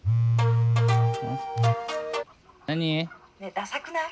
「ねえダサくない？」。